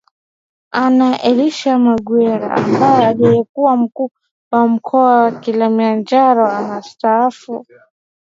Anna Elisha Mghwira ambaye alikuwa mkuu wa mkoa wa Kilimanjaro anastaafu